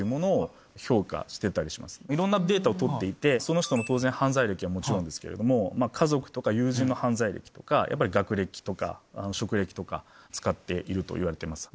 いろんなデータを取っていてその人の当然犯罪歴はもちろんですけれども家族とか友人の犯罪歴とかやっぱり学歴とか職歴とか使っているといわれてます。